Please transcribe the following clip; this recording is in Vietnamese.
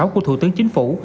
của thủ tướng chính phủ